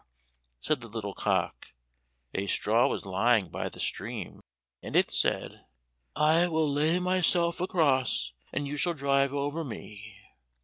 said the little cock. A straw was lying by the stream, and it said, "I will lay myself across, and you shall drive over me."